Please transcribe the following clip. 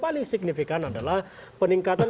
paling signifikan adalah peningkatan